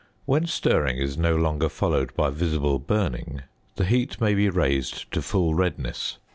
When stirring is no longer followed by visible burning the heat may be raised to full redness.